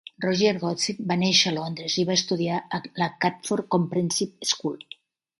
Roger Godsiff va néixer a Londres i va estudiar a la Catford Comprehensive School.